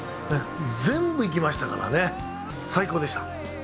全部いきましたからね最高でした。